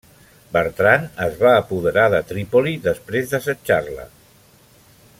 Bertran es va apoderar de Trípoli després d'assetjar-la.